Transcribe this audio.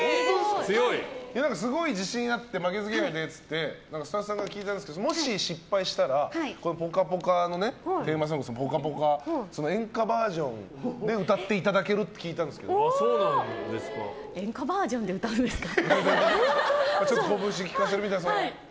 すごい自信あって負けず嫌いでって言ってスタッフさんから聞いたんですけどもし失敗したら「ぽかぽか」のテーマソング「ぽかぽか」を演歌バージョンで歌っていただけるって演歌バージョンでこぶしきかせてみたいな。